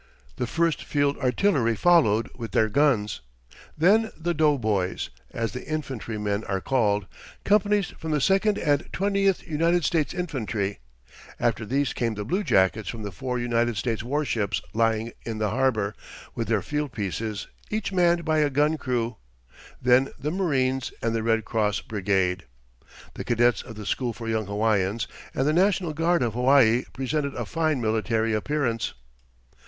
The First Field Artillery followed, with their guns. Then the "Dough Boys" as the infantry men are called companies from the Second and the Twentieth United States Infantry; after these came the bluejackets from the four United States warships lying in the harbour, with their field pieces, each manned by a gun crew; then the marines and the Red Cross brigade. The cadets of the school for young Hawaiians and the National Guard of Hawaii presented a fine military appearance.